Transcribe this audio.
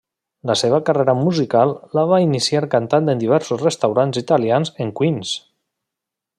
La seva carrera musical la va iniciar cantant en diversos restaurants italians en Queens.